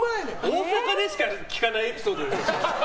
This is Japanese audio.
大阪でしか聞かないエピソードですよ。